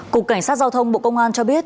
cục cảnh sát giao thông bộ công an cho biết